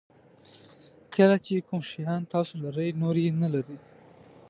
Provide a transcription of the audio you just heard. کله چې کوم شیان تاسو لرئ نور یې نه لري.